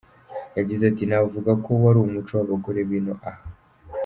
Yagize ati “Navuga ko wari umuco w’abagore b’ino aha.